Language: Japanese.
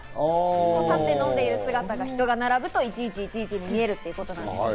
立って飲んでいる姿が、人が並ぶと、１１１１に見えるということです。